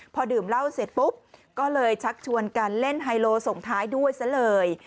พอดื่มเหล้าเสร็จปุ๊บก็เลยชักชวนกันเล่นไฮโลส่งท้ายด้วยซะเลย